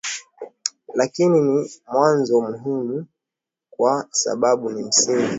lakini ni mwazo muhimu kwa sababu ni msingi